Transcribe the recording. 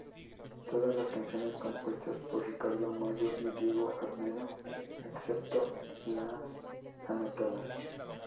Todas las canciones compuestas por Ricardo Mollo y Diego Arnedo, excepto las anotadas